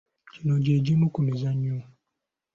Gino gye gimu ku mizannyo